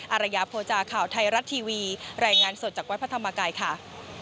อารยาโภจาข่าวไทยรัฐทีวีรายงานสดจากวัดพระธรรมกายค่ะ